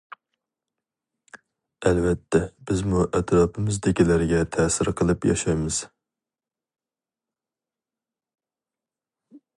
ئەلۋەتتە بىزمۇ ئەتراپىمىزدىكىلەرگە تەسىر قىلىپ ياشايمىز.